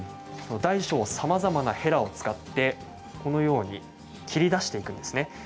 大小さまざまなへらを使ってこのように切り出していくんですね。